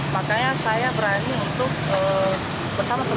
makanya saya berani untuk bersama teman teman